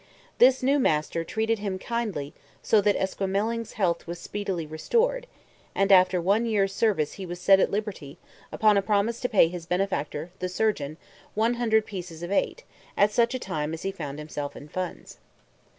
This new master treated him kindly so that Esquemeling's health was speedily restored, and after one year's service he was set at liberty upon a promise to pay his benefactor, the surgeon, 100 pieces of eight at such a time as he found himself in funds.